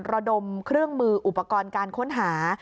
ระดมเครื่องมืออุปกรณ์การค้นหา